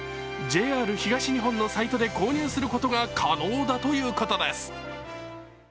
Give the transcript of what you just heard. ＪＲ東日本のサイトで購入することが可能だということです。